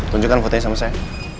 tunjukkan fotonya sama saya